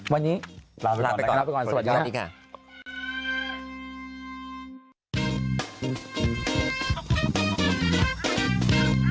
วันนี้ลาไปก่อนสวัสดีค่ะ